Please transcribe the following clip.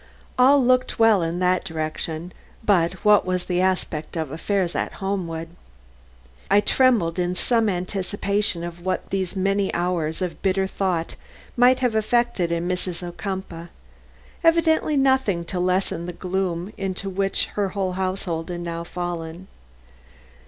All looked well in that direction; but what was the aspect of affairs in Homewood? I trembled in some anticipation of what these many hours of bitter thought might have effected in Mrs. Ocumpaugh. Evidently nothing to lessen the gloom into which the whole household had now fallen.